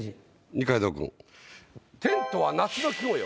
二階堂君「テント」は夏の季語よ。